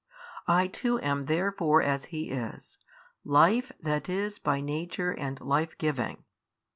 I too am therefore as He is, Life that is by Nature and Lifegiving.